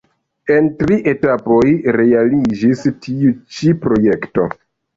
En tri etapoj realiĝis tiu ĉi projekto.